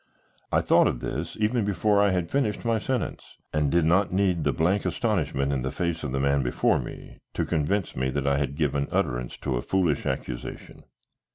I thought of this even before I had finished my sentence, and did not need the blank astonishment in the face of the man before me to convince me that I had given utterance to a foolish accusation.